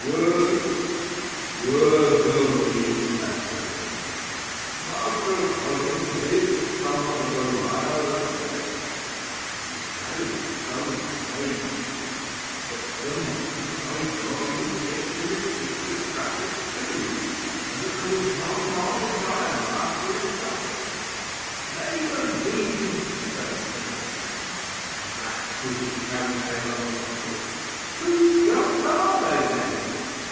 '"Words! Words only," says Sir John. "Master Collins is somewhat of a liar at best." 'He carried it so gravely that, for the moment, I thought he was dipped in this secret traffick too, and that there was not an honest ironmaster in Sussex. '"Name o' Reason!" says Sebastian, and raps with his cow tail on the table, "whose guns are they, then?"